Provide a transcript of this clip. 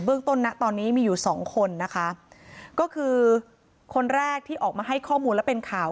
ต้นนะตอนนี้มีอยู่สองคนนะคะก็คือคนแรกที่ออกมาให้ข้อมูลและเป็นข่าว